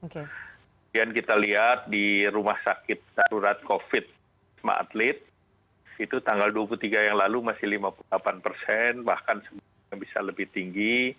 kemudian kita lihat di rumah sakit darurat covid sembilan belas itu tanggal dua puluh tiga yang lalu masih lima puluh delapan persen bahkan bisa lebih tinggi